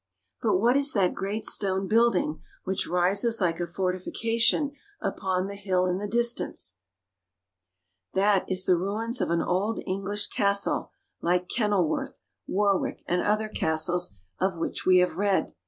But what is that great stone building which rises like a fortification upon the hill in the distance ? That is the ruins of an old English castle like Kenilworth, Warwick, RURAL ENGLAND. 53 and other castles of which we have read.